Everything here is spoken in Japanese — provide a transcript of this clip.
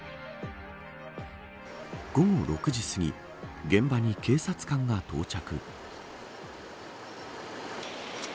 午後６時すぎ現場に警察官が到着。